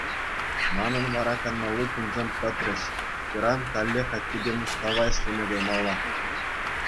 Манӑн вара канмалли кунсем пӗтрӗҫ, ыран каллех аттепе Мускава ӗҫлеме каймалла.